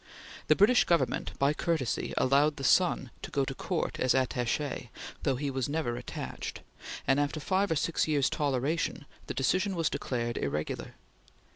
The British Government by courtesy allowed the son to go to Court as Attache, though he was never attached, and after five or six years' toleration, the decision was declared irregular.